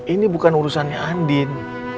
ini bukan urusannya andin